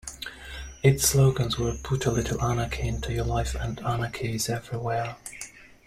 Its slogans were "put a little anarchy into your life" and "anarchy is everywhere".